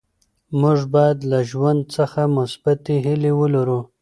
موږ باید له ژوند څخه مثبتې هیلې ولرو.